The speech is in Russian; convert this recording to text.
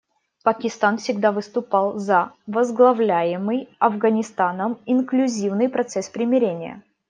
Пакистан всегда выступал за возглавляемый Афганистаном инклюзивный процесс примирения.